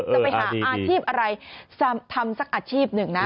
จะไปหาอาชีพอะไรทำสักอาชีพหนึ่งนะ